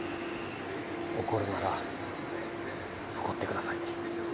怒るなら怒ってください。